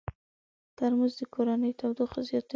ترموز د کورنۍ تودوخه زیاتوي.